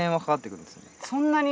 そんなに？